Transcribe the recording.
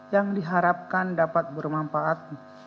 yang diharapkan dapat bermanfaat